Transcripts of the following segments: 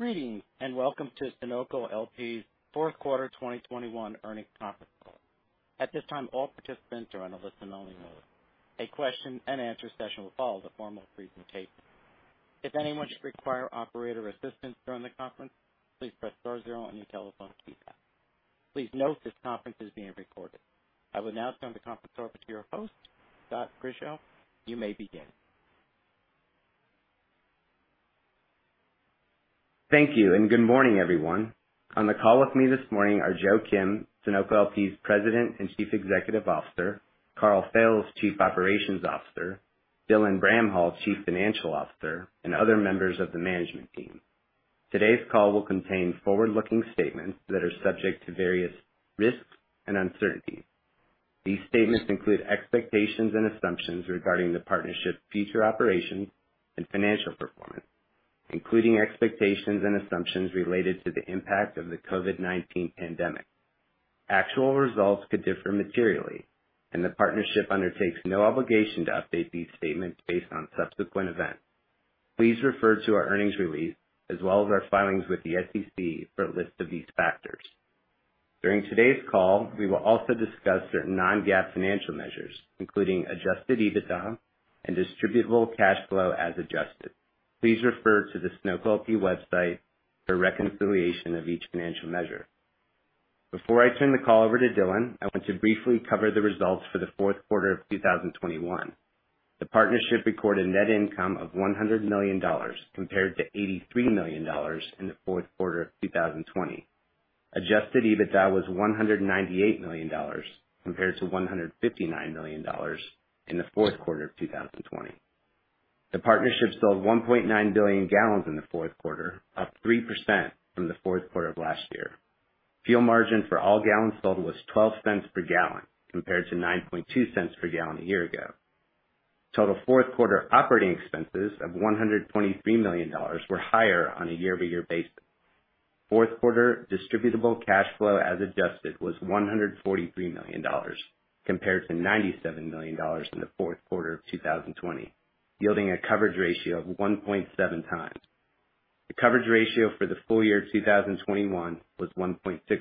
Greetings, and welcome to Sunoco LP's fourth quarter 2021 earnings conference call. At this time, all participants are in a listen-only mode. A question-and-answer session will follow the formal presentation. If anyone should require operator assistance during the conference, please press star zero on your telephone keypad. Please note this conference is being recorded. I will now turn the conference over to your host, Scott Grischow. You may begin. Thank you, and good morning, everyone. On the call with me this morning are Joseph Kim, Sunoco LP's President and Chief Executive Officer, Karl Fails, Chief Operations Officer, Dylan Bramhall, Chief Financial Officer, and other members of the management team. Today's call will contain forward-looking statements that are subject to various risks and uncertainties. These statements include expectations and assumptions regarding the partnership's future operations and financial performance, including expectations and assumptions related to the impact of the COVID-19 pandemic. Actual results could differ materially, and the partnership undertakes no obligation to update these statements based on subsequent events. Please refer to our earnings release as well as our filings with the SEC for a list of these factors. During today's call, we will also discuss certain non-GAAP financial measures, including adjusted EBITDA and distributable cash flow as adjusted. Please refer to the Sunoco LP website for reconciliation of each financial measure. Before I turn the call over to Dylan, I want to briefly cover the results for the fourth quarter of 2021. The partnership recorded net income of $100 million compared to $83 million in the fourth quarter of 2020. Adjusted EBITDA was $198 million compared to $159 million in the fourth quarter of 2020. The partnership sold 1.9 billion gallons in the fourth quarter, up 3% from the fourth quarter of last year. Fuel margin for all gallons sold was $0.12 per gallon compared to $0.092 per gallon a year ago. Total fourth quarter operating expenses of $123 million were higher on a year-over-year basis. Fourth quarter distributable cash flow as adjusted was $143 million compared to $97 million in the fourth quarter of 2020, yielding a coverage ratio of 1.7x. The coverage ratio for the full year of 2021 was 1.6x.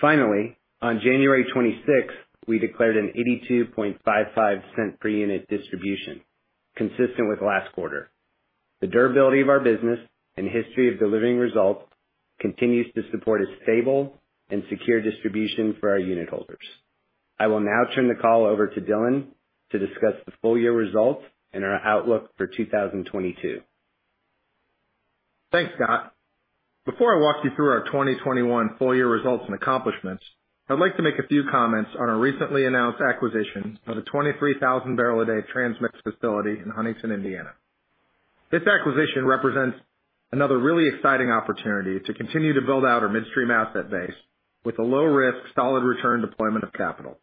Finally, on January 26, we declared an $0.8255 per unit distribution, consistent with last quarter. The durability of our business and history of delivering results continues to support a stable and secure distribution for our unitholders. I will now turn the call over to Dylan to discuss the full year results and our outlook for 2022. Thanks, Scott. Before I walk you through our 2021 full year results and accomplishments, I'd like to make a few comments on our recently announced acquisition of a 23,000 barrel a day transmix facility in Huntington, Indiana. This acquisition represents another really exciting opportunity to continue to build out our midstream asset base with a low risk, solid return deployment of capital.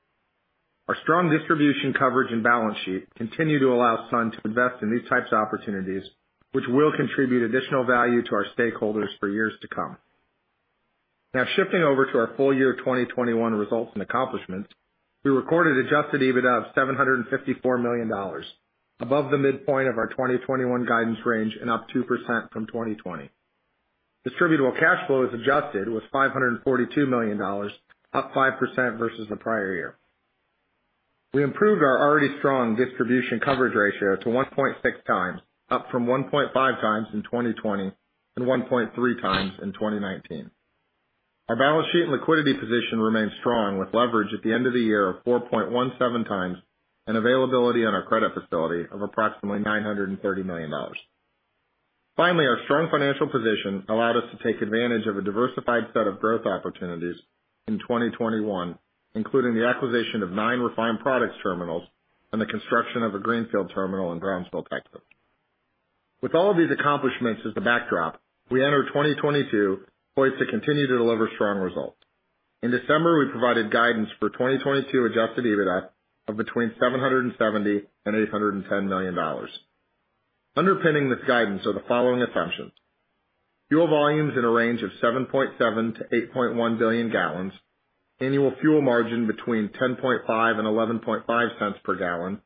Our strong distribution coverage and balance sheet continue to allow Sun to invest in these types of opportunities, which will contribute additional value to our stakeholders for years to come. Now, shifting over to our full year 2021 results and accomplishments, we recorded adjusted EBITDA of $754 million, above the midpoint of our 2021 guidance range and up 2% from 2020. Distributable cash flow as adjusted was $542 million, up 5% versus the prior year. We improved our already strong distribution coverage ratio to 1.6x, up from 1.5x in 2020 and 1.3x in 2019. Our balance sheet and liquidity position remains strong, with leverage at the end of the year of 4.17x and availability on our credit facility of approximately $930 million. Finally, our strong financial position allowed us to take advantage of a diversified set of growth opportunities in 2021, including the acquisition of nine refined products terminals and the construction of a greenfield terminal in Brownsville, Texas. With all of these accomplishments as the backdrop, we enter 2022 poised to continue to deliver strong results. In December, we provided guidance for 2022 adjusted EBITDA of between $770 million-$810 million. Underpinning this guidance are the following assumptions: fuel volumes in a range of 7.7 billion-8.1 billion gallons, annual fuel margin between 10.5-11.5 cents per gallon,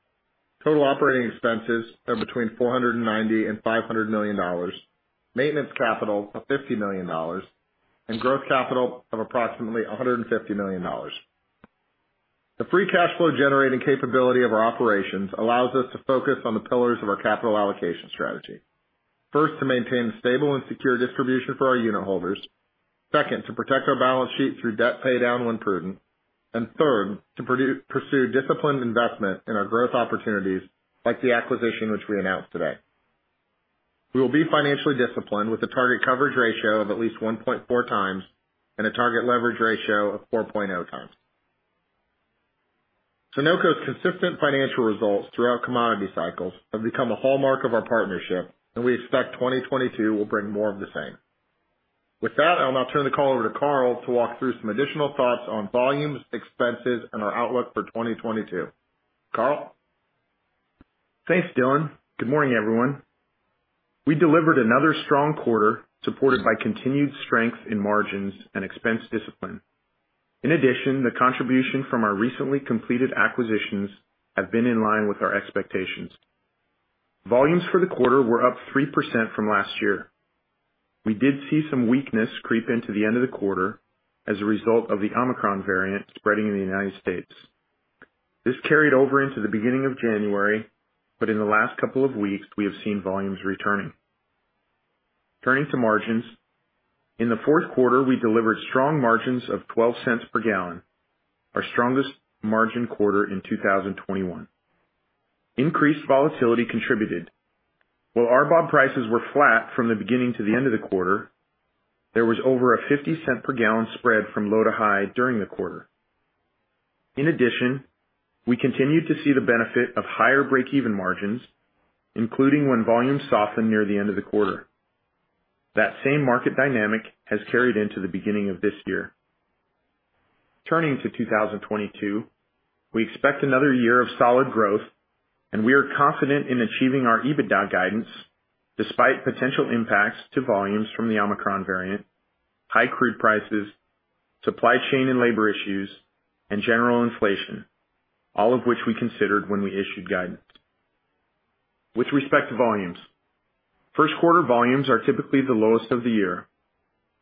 total operating expenses of between $490 million-$500 million, maintenance capital of $50 million, and growth capital of approximately $150 million. The free cash flow generating capability of our operations allows us to focus on the pillars of our capital allocation strategy. First, to maintain a stable and secure distribution for our unitholders. Second, to protect our balance sheet through debt paydown when prudent. Third, to pursue disciplined investment in our growth opportunities, like the acquisition which we announced today. We will be financially disciplined with a target coverage ratio of at least 1.4x and a target leverage ratio of 4.0x. Sunoco's consistent financial results throughout commodity cycles have become a hallmark of our partnership, and we expect 2022 will bring more of the same. With that, I'll now turn the call over to Karl to walk through some additional thoughts on volumes, expenses, and our outlook for 2022. Karl? Thanks, Dylan. Good morning, everyone. We delivered another strong quarter supported by continued strength in margins and expense discipline. In addition, the contribution from our recently completed acquisitions have been in line with our expectations. Volumes for the quarter were up 3% from last year. We did see some weakness creep into the end of the quarter as a result of the Omicron variant spreading in the United States. This carried over into the beginning of January, but in the last couple of weeks, we have seen volumes returning. Turning to margins. In the fourth quarter, we delivered strong margins of $0.12 per gallon, our strongest margin quarter in 2021. Increased volatility contributed. While RBOB prices were flat from the beginning to the end of the quarter, there was over a $0.50 per gallon spread from low to high during the quarter. In addition, we continued to see the benefit of higher breakeven margins, including when volumes softened near the end of the quarter. That same market dynamic has carried into the beginning of this year. Turning to 2022. We expect another year of solid growth, and we are confident in achieving our EBITDA guidance despite potential impacts to volumes from the Omicron variant, high crude prices, supply chain and labor issues, and general inflation, all of which we considered when we issued guidance. With respect to volumes. First quarter volumes are typically the lowest of the year,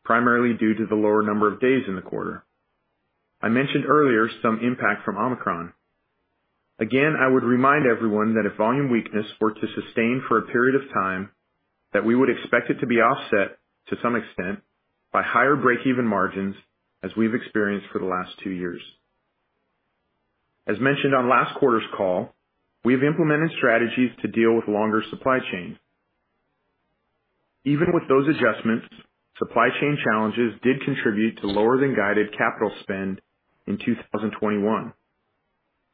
primarily due to the lower number of days in the quarter. I mentioned earlier some impact from Omicron. Again, I would remind everyone that if volume weakness were to sustain for a period of time, that we would expect it to be offset to some extent by higher breakeven margins as we've experienced for the last two years. As mentioned on last quarter's call, we have implemented strategies to deal with longer supply chains. Even with those adjustments, supply chain challenges did contribute to lower than guided capital spend in 2021.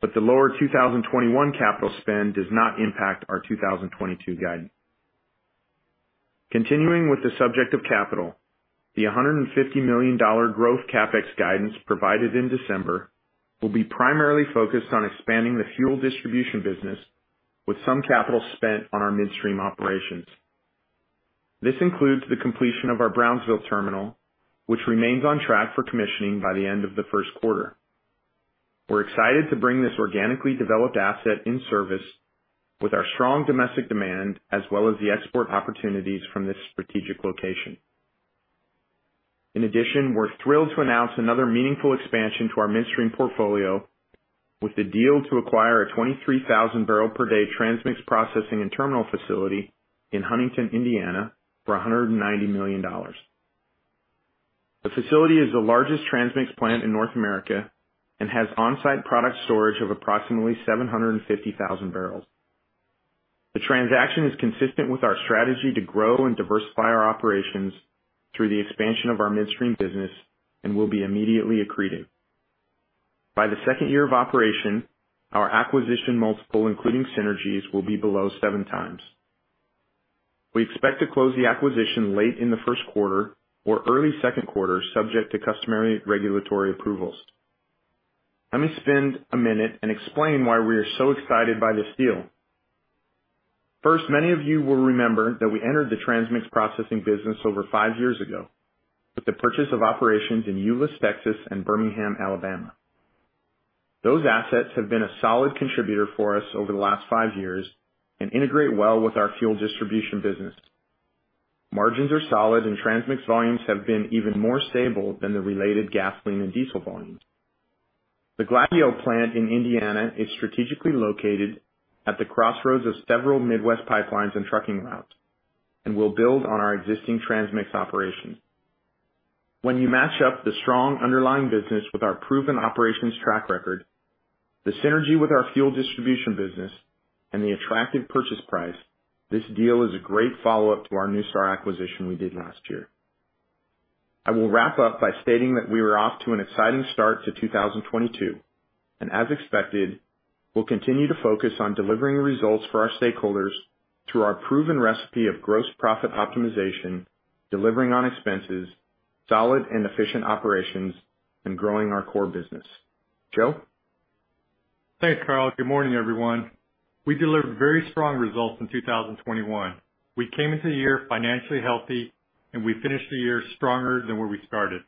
The lower 2021 capital spend does not impact our 2022 guidance. Continuing with the subject of capital, the $150 million growth CapEx guidance provided in December will be primarily focused on expanding the fuel distribution business with some capital spent on our midstream operations. This includes the completion of our Brownsville terminal, which remains on track for commissioning by the end of the first quarter. We're excited to bring this organically developed asset in service with our strong domestic demand as well as the export opportunities from this strategic location. In addition, we're thrilled to announce another meaningful expansion to our midstream portfolio with the deal to acquire a 23,000 barrel per day transmix processing and terminal facility in Huntington, Indiana, for $190 million. The facility is the largest transmix plant in North America and has on-site product storage of approximately 750,000 barrels. The transaction is consistent with our strategy to grow and diversify our operations through the expansion of our midstream business and will be immediately accretive. By the second year of operation, our acquisition multiple, including synergies, will be below 7x. We expect to close the acquisition late in the first quarter or early second quarter, subject to customary regulatory approvals. Let me spend a minute and explain why we are so excited by this deal. First, many of you will remember that we entered the transmix processing business over five years ago with the purchase of operations in Euless, Texas, and Birmingham, Alabama. Those assets have been a solid contributor for us over the last five years and integrate well with our fuel distribution business. Margins are solid and transmix volumes have been even more stable than the related gasoline and diesel volumes. The Gladieux plant in Indiana is strategically located at the crossroads of several Midwest pipelines and trucking routes and will build on our existing transmix operations. When you match up the strong underlying business with our proven operations track record, the synergy with our fuel distribution business and the attractive purchase price, this deal is a great follow-up to our NuStar acquisition we did last year. I will wrap up by stating that we are off to an exciting start to 2022. As expected, we'll continue to focus on delivering results for our stakeholders through our proven recipe of gross profit optimization, delivering on expenses, solid and efficient operations, and growing our core business. Joe? Thanks, Karl. Good morning, everyone. We delivered very strong results in 2021. We came into the year financially healthy, and we finished the year stronger than where we started.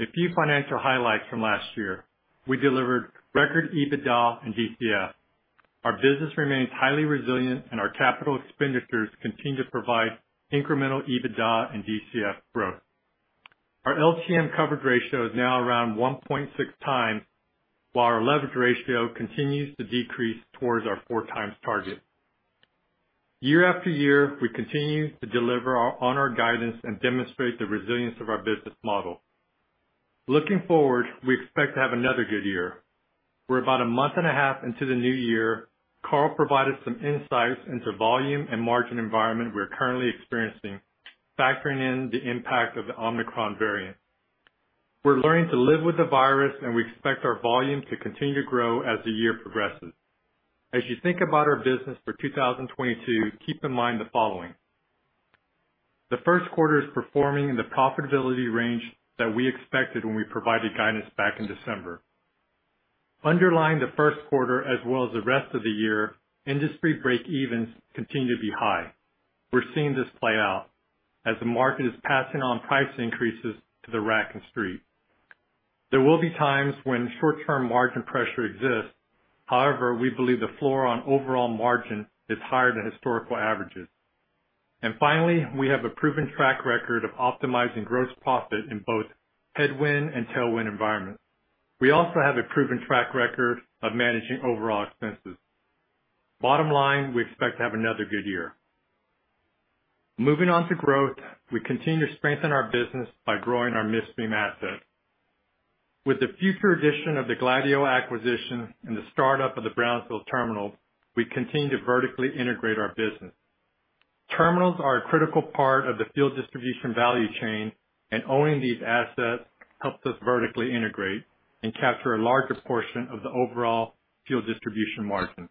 A few financial highlights from last year. We delivered record EBITDA and DCF. Our business remains highly resilient and our capital expenditures continue to provide incremental EBITDA and DCF growth. Our LTM coverage ratio is now around 1.6x, while our leverage ratio continues to decrease towards our 4x target. Year-after-year, we continue to deliver on our guidance and demonstrate the resilience of our business model. Looking forward, we expect to have another good year. We're about 1.5 Month into the new year. Karl provided some insights into volume and margin environment we're currently experiencing, factoring in the impact of the Omicron variant. We're learning to live with the virus, and we expect our volume to continue to grow as the year progresses. As you think about our business for 2022, keep in mind the following. The first quarter is performing in the profitability range that we expected when we provided guidance back in December. Underlying the first quarter as well as the rest of the year, industry breakevens continue to be high. We're seeing this play out as the market is passing on price increases to the rack and street. There will be times when short-term margin pressure exists. However, we believe the floor on overall margin is higher than historical averages. Finally, we have a proven track record of optimizing gross profit in both headwind and tailwind environments. We also have a proven track record of managing overall expenses. Bottom line, we expect to have another good year. Moving on to growth, we continue to strengthen our business by growing our midstream assets. With the future addition of the Gladieux acquisition and the startup of the Brownsville terminal, we continue to vertically integrate our business. Terminals are a critical part of the fuel distribution value chain, and owning these assets helps us vertically integrate and capture a larger portion of the overall fuel distribution margin.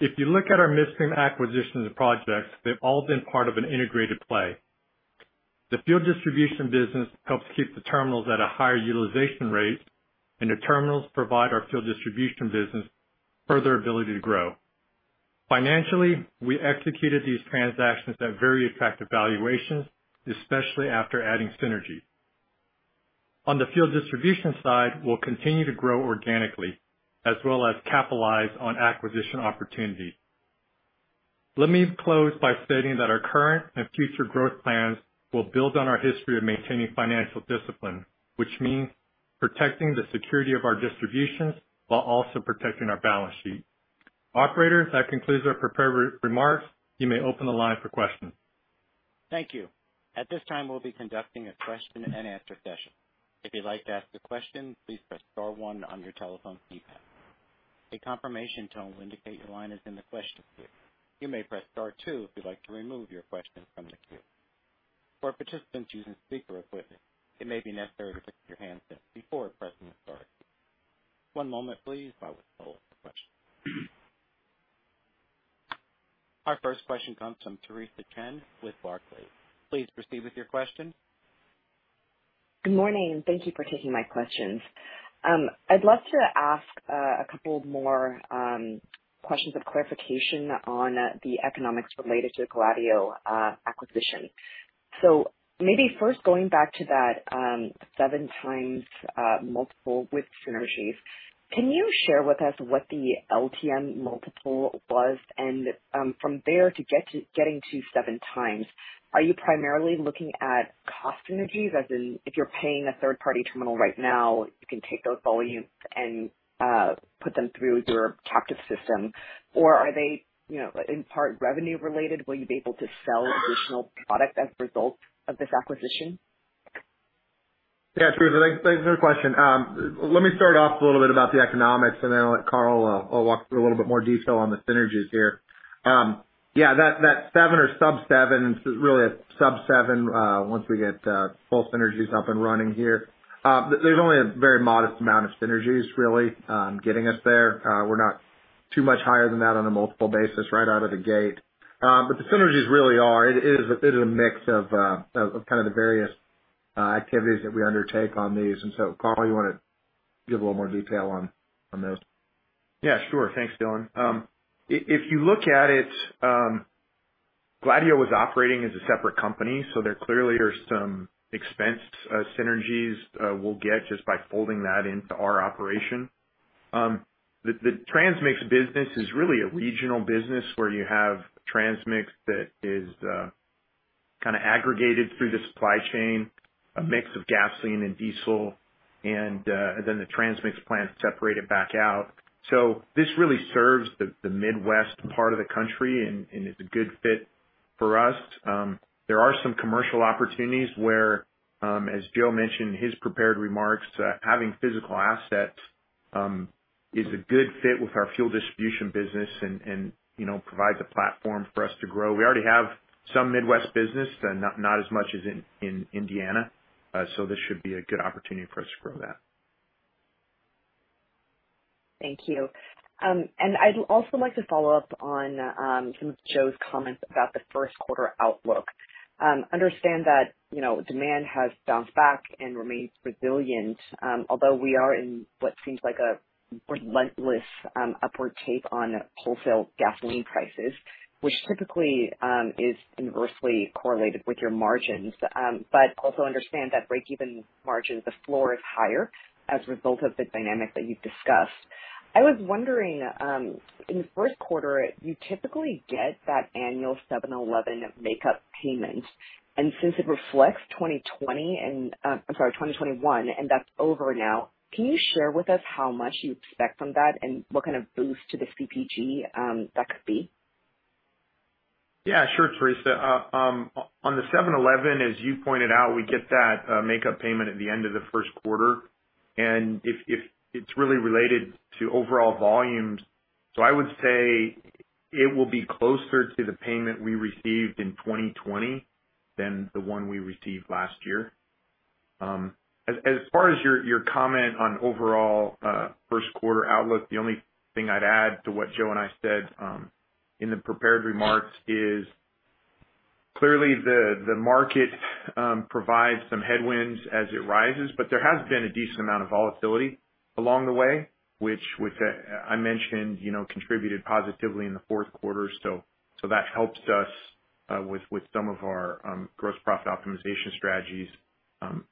If you look at our midstream acquisitions and projects, they've all been part of an integrated play. The fuel distribution business helps keep the terminals at a higher utilization rate, and the terminals provide our fuel distribution business further ability to grow. Financially, we executed these transactions at very attractive valuations, especially after adding synergy. On the fuel distribution side, we'll continue to grow organically as well as capitalize on acquisition opportunities. Let me close by stating that our current and future growth plans will build on our history of maintaining financial discipline, which means protecting the security of our distributions while also protecting our balance sheet. Operator, that concludes our prepared remarks. You may open the line for questions. Thank you. At this time, we'll be conducting a question and answer session. If you'd like to ask a question, please press star one on your telephone keypad. A confirmation tone will indicate your line is in the question queue. You may press star two if you'd like to remove your question from the queue. For participants using speaker equipment, it may be necessary to pick up your handset before pressing star two. One moment please while we pull up the questions. Our first question comes from Theresa Chen with Barclays. Please proceed with your question. Good morning, and thank you for taking my questions. I'd love to ask a couple more questions of clarification on the economics related to the Gladieux acquisition. Maybe first going back to that 7x multiple with synergies, can you share with us what the LTM multiple was? From there, getting to 7x, are you primarily looking at cost synergies, as in if you're paying a third-party terminal right now, you can take those volumes and put them through your captive system? Or are they, you know, in part revenue related? Will you be able to sell additional product as a result of this acquisition? Yeah, Theresa, thanks. Thanks for the question. Let me start off a little bit about the economics, and then I'll let Karl walk through a little bit more detail on the synergies here. Yeah, that seven or sub-7 is really a sub-7 once we get full synergies up and running here. There's only a very modest amount of synergies really getting us there. We're not too much higher than that on a multiple basis right out of the gate. But the synergies really are a mix of kind of the various activities that we undertake on these. Karl, you wanna give a little more detail on those? Yeah, sure. Thanks, Dylan. If you look at it, Gladieux was operating as a separate company, so there clearly are some expense synergies we'll get just by folding that into our operation. The transmix business is really a regional business where you have transmix that is kind of aggregated through the supply chain, a mix of gasoline and diesel, and then the transmix plants separate it back out. This really serves the Midwest part of the country and it's a good fit for us. There are some commercial opportunities where, as Joe mentioned in his prepared remarks, having physical assets is a good fit with our fuel distribution business and, you know, provides a platform for us to grow. We already have some Midwest business, not as much as in Indiana. This should be a good opportunity for us to grow that. Thank you. I'd also like to follow up on some of Joe's comments about the first quarter outlook. I understand that, you know, demand has bounced back and remains resilient, although we are in what seems like a relentless upward tape on wholesale gasoline prices, which typically is inversely correlated with your margins. I also understand that breakeven margins, the floor is higher as a result of the dynamic that you've discussed. I was wondering, in the first quarter, you typically get that annual 7-Eleven makeup payment. Since it reflects 2021 and that's over now, can you share with us how much you expect from that and what kind of boost to the CPG that could be? Yeah, sure, Theresa. On the 7-Eleven, as you pointed out, we get that makeup payment at the end of the first quarter. If it's really related to overall volumes, I would say it will be closer to the payment we received in 2020 than the one we received last year. As far as your comment on overall first quarter outlook, the only thing I'd add to what Joe and I said in the prepared remarks is clearly the market provides some headwinds as it rises, but there has been a decent amount of volatility along the way, which, as I mentioned, you know, contributed positively in the fourth quarter. That helps us with some of our gross profit optimization strategies,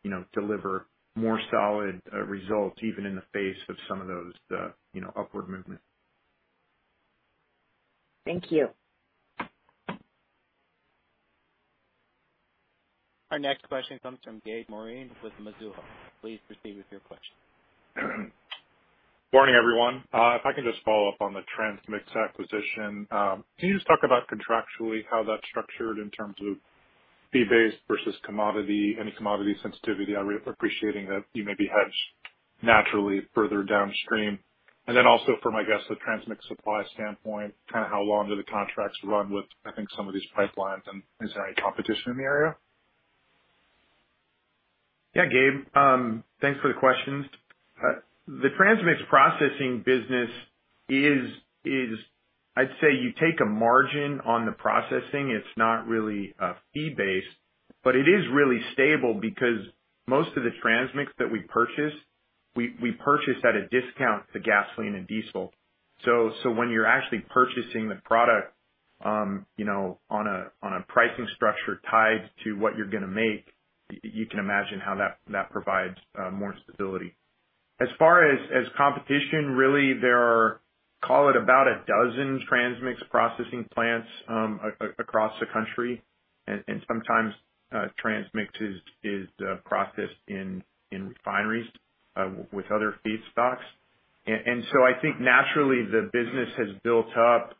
you know, deliver more solid results even in the face of some of those you know upward movement. Thank you. Our next question comes from Gabriel Moreen with Mizuho. Please proceed with your question. Morning, everyone. If I can just follow up on the transmix acquisition. Can you just talk about contractually how that's structured in terms of fee-based versus commodity, any commodity sensitivity? I really appreciate that you may be hedged naturally further downstream. Also from, I guess, the transmix supply standpoint, kind of how long do the contracts run with, I think, some of these pipelines, and is there any competition in the area? Yeah, Gabriel, thanks for the questions. The transmix processing business is. I'd say you take a margin on the processing. It's not really a fee-based, but it is really stable because most of the transmix that we purchase we purchase at a discount to gasoline and diesel. When you're actually purchasing the product, you know, on a pricing structure tied to what you're gonna make, you can imagine how that provides more stability. As far as competition, really there are, call it about a dozen transmix processing plants across the country. Sometimes transmix is processed in refineries with other feedstocks. I think naturally the business has built up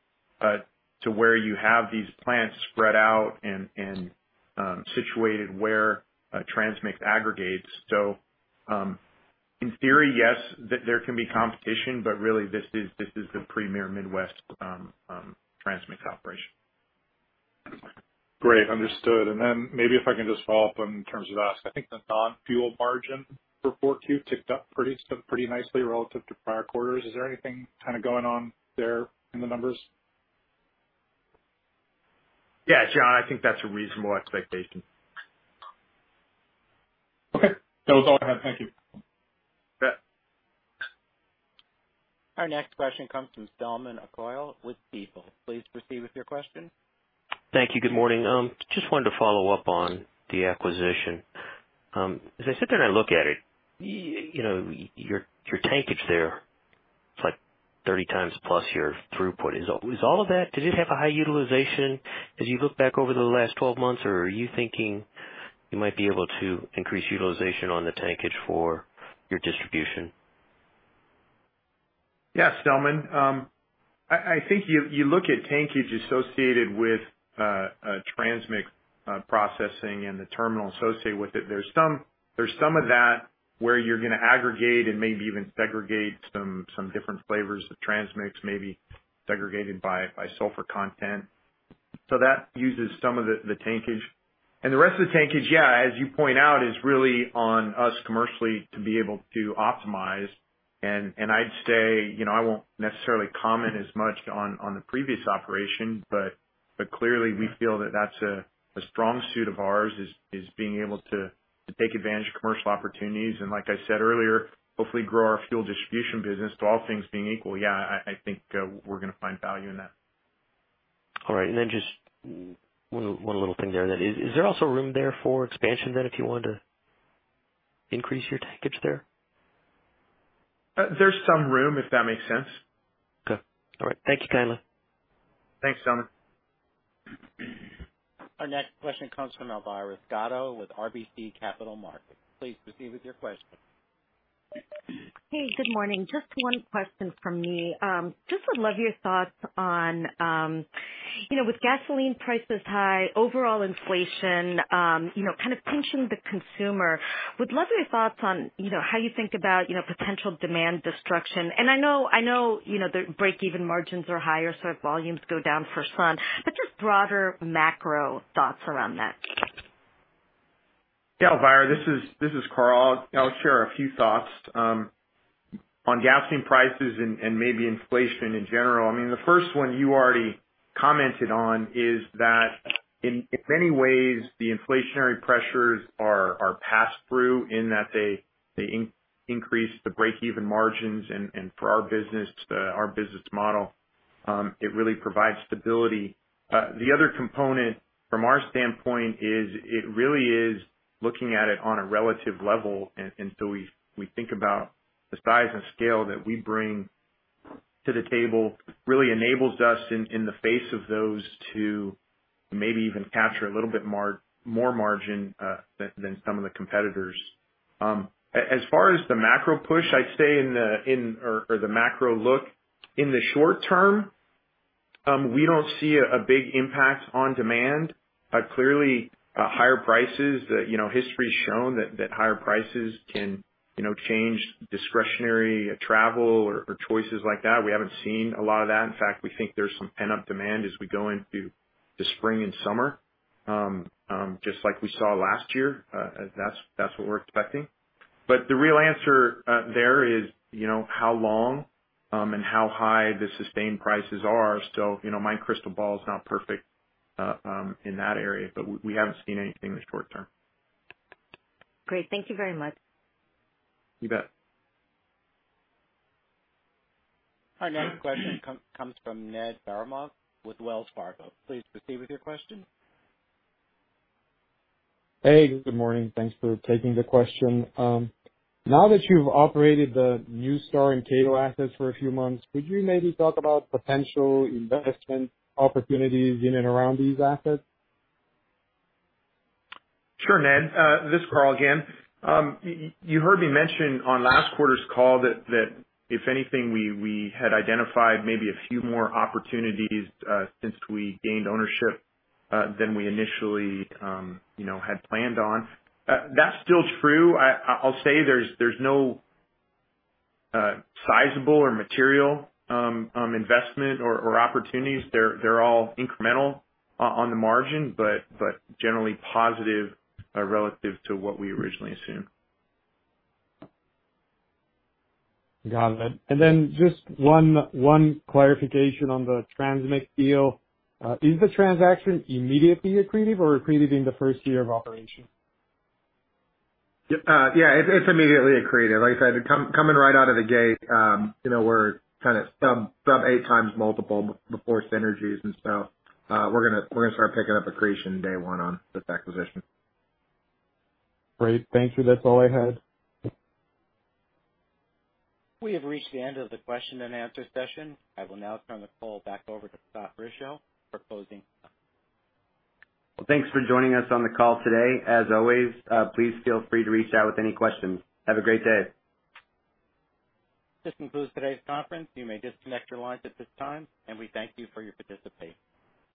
to where you have these plants spread out and situated where transmix aggregates. In theory, yes, there can be competition, but really this is the premier Midwest transmix operation. Great. Understood. Maybe if I can just follow up in terms of ask. I think the non-fuel margin for 4Q ticked up pretty nicely relative to prior quarters. Is there anything kind of going on there in the numbers? Yeah, Gabe, I think that's a reasonable expectation. Okay. That was all I had. Thank you. You bet. Our next question comes from Selman Akyol with Stifel. Please proceed with your question. Thank you. Good morning. Just wanted to follow up on the acquisition. As I sit there and I look at it, you know, your tankage there, it's like 30x plus your throughput. Was all of that did it have a high utilization as you look back over the last 12 months or are you thinking you might be able to increase utilization on the tankage for your distribution? Yeah, Selman. I think you look at tankage associated with transmix processing and the terminal associated with it. There's some of that where you're gonna aggregate and maybe even segregate some different flavors of transmix, maybe segregated by sulfur content. That uses some of the tankage. The rest of the tankage, yeah, as you point out, is really on us commercially to be able to optimize. I'd say, you know, I won't necessarily comment as much on the previous operation, but clearly we feel that that's a strong suit of ours is being able to take advantage of commercial opportunities. Like I said earlier, hopefully grow our fuel distribution business to all things being equal. Yeah, I think we're gonna find value in that. All right. Just one little thing there then. Is there also room there for expansion then if you wanted to increase your tankage there? There's some room, if that makes sense. Okay. All right. Thank you kindly. Thanks, Selman. Our next question comes from Elvira Scotto with RBC Capital Markets. Please proceed with your question. Hey, good morning. Just one question from me. Just would love your thoughts on, you know, with gasoline prices high, overall inflation, you know, kind of pinching the consumer. Would love your thoughts on, you know, how you think about, you know, potential demand destruction. I know, you know, the breakeven margins are higher, so if volumes go down for Sun, but just broader macro thoughts around that. Yeah, Elvira, this is Karl. I'll share a few thoughts on gasoline prices and maybe inflation in general. I mean, the first one you already commented on is that in many ways the inflationary pressures are passed through in that they increase the breakeven margins. For our business, our business model, it really provides stability. The other component from our standpoint is it really is looking at it on a relative level. We think about the size and scale that we bring to the table really enables us in the face of those to maybe even capture a little bit more margin than some of the competitors. As far as the macro outlook in the short term, we don't see a big impact on demand. Clearly, higher prices, you know, history's shown that higher prices can, you know, change discretionary travel or choices like that. We haven't seen a lot of that. In fact, we think there's some pent-up demand as we go into the spring and summer, just like we saw last year. That's what we're expecting. The real answer there is, you know, how long and how high the sustained prices are. You know, my crystal ball is not perfect in that area, but we haven't seen anything in the short term. Great. Thank you very much. You bet. Our next question comes from Ned Baramov with Wells Fargo. Please proceed with your question. Hey, good morning. Thanks for taking the question. Now that you've operated the NuStar and Cato assets for a few months, could you maybe talk about potential investment opportunities in and around these assets? Sure, Ned. This is Karl again. You heard me mention on last quarter's call that if anything, we had identified maybe a few more opportunities since we gained ownership than we initially, you know, had planned on. That's still true. I'll say there's no sizable or material investment or opportunities. They're all incremental on the margin, but generally positive relative to what we originally assumed. Got it. Just one clarification on the transmix deal. Is the transaction immediately accretive or accretive in the first year of operation? Yeah, it's immediately accretive. Like I said, coming right out of the gate, you know, we're kind of sub 8x multiple before synergies. We're gonna start picking up accretion day one on this acquisition. Great. Thank you. That's all I had. We have reached the end of the question and answer session. I will now turn the call back over to Scott Grischow for closing comments. Well, thanks for joining us on the call today. As always, please feel free to reach out with any questions. Have a great day. This concludes today's conference. You may disconnect your lines at this time, and we thank you for your participation.